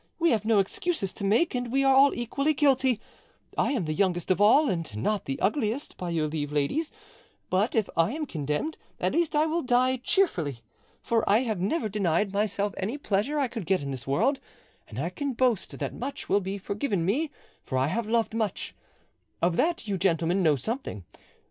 We have no excuses to make, and we are all equally guilty. I am the youngest of all, and not the ugliest, by your leave, ladies, but if I am condemned, at least I will die cheerfully. For I have never denied myself any pleasure I could get in this world, and I can boast that much will be forgiven me, for I have loved much: of that you, gentlemen, know something.